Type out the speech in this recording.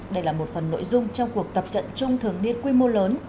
đây là một phần nội dung trong cuộc tập trận chung thường niên quy mô lớn